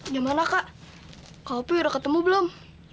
gimana kak kak opie udah ketemu belum